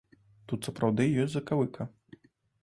Тут сапраўды ёсць закавыка.